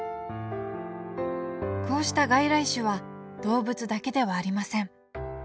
こうした外来種は動物だけではありません。